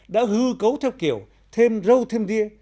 đã hư cấu theo kiểu thêm râu thêm đia